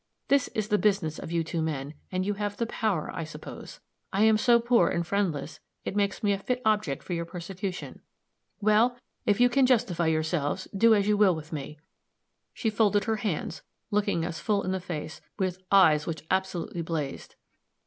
This is the business of you two men; and you have the power, I suppose. I am so poor and friendless it makes me a fit object for your persecution. Well, if you can justify yourselves, do as you will with me!" She folded her hands, looking us full in the face with eyes which absolutely blazed.